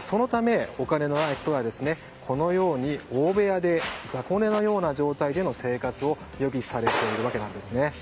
そのため、お金のない人はこのように大部屋で雑魚寝のような状態での生活を余儀なくされているんですね。